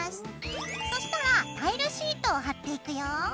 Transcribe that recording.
そしたらタイルシートを貼っていくよ。